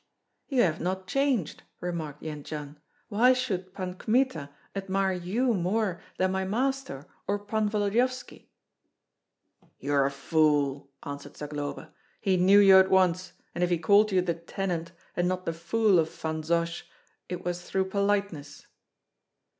"You have not changed," remarked Jendzian; "why should Pan Kmita admire you more than my master or Pan Volodyovski?" "You are a fool!" answered Zagloba. "He knew you at once; and if he called you the tenant, and not the fool of Vansosh, it was through politeness."